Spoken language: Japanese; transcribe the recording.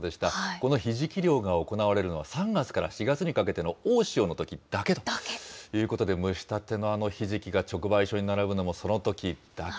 このひじき漁が行われるのは、３月から４月にかけての大潮のときだけということで、蒸したてのひじきが直売所に並ぶのもそのときだけ。